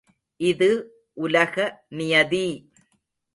இது உலக நியதி!